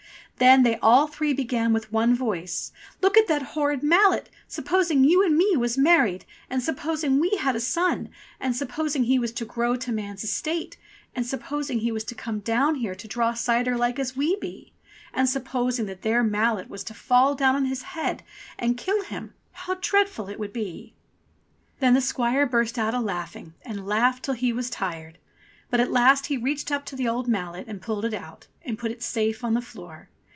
Then they all three began with one voice, "Look at ,, jYie that horrid mallet ! Supposing you and , was married, we and supposing had a son, and supposing he was to grow to man's estate and supposing he was to come down here to draw cider like as we be, and supposing that there mallet was to fall down on his head and kill him, how dreadful it would be !" Then the young squire burst out a laughing, and laughed till he was tired. But at last he reached up to the old mallet and pulled it out, and put it safe on the floor.